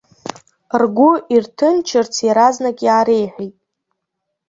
Ргәы ирҭынчырц иаразнак иаареиҳәеит.